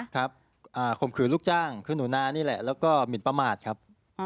ข่มขืนลูกจ้างคือหนูนานี่แหละแล้วก็หมินประมาทครับ